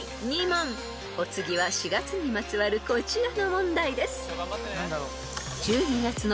［お次は４月にまつわるこちらの問題です］